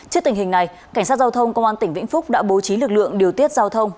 trước tình hình này cảnh sát giao thông công an tỉnh vĩnh phúc đã bố trí lực lượng điều tiết giao thông